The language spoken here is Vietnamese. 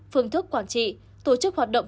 phương thức quản trị tổ chức hoạt động